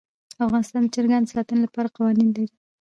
افغانستان د چرګان د ساتنې لپاره قوانین لري.